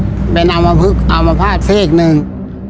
ก็เป็นออมะพึกออมะพราชเสกนึง